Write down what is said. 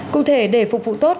cụ thể để phục vụ tốt